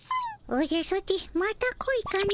おじゃソチまた恋かの。